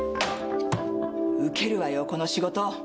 受けるわよ、この仕事。